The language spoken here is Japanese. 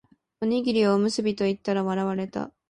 おにぎりをおむすびと言ったら笑われた